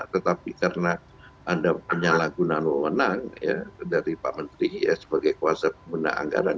tetapi karena ada penyalahgunaan mewenang dari pak menteri sebagai kuasa pengguna anggaran